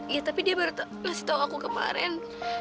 ya tapi dia baru ngasih tahu aku kemarin